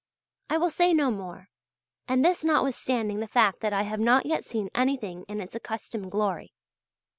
I will say no more. And this notwithstanding the fact that I have not yet seen anything in its accustomed glory.